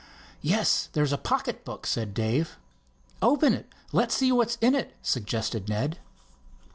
"Yes, there's a pocket book," said Dave. "Open it—let's see what's in it," suggested Ned.